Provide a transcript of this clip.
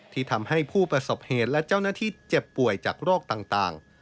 ที่ทำให้ผู้ประสบเหตุและเจ้าหน้าที่เจ็บป่วยจากโรคต่าง